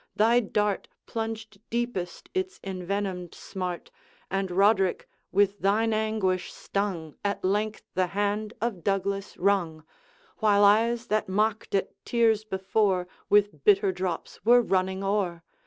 thy dart Plunged deepest its envenomed smart, And Roderick, with thine anguish stung, At length the hand of Douglas wrung, While eyes that mocked at tears before With bitter drops were running o'er.